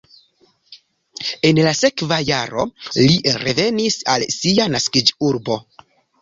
En la sekva jaro li revenis al sia naskiĝurbo.